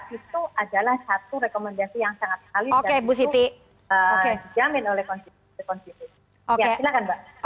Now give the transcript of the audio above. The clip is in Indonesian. itu adalah satu rekomendasi yang sangat valid dan untuk dijamin oleh konstitusi